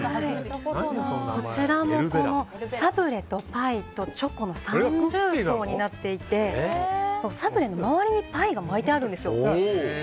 こちらもサブレとパイとチョコの三重奏になっていてサブレの周りにパイが巻いてあるんですよ。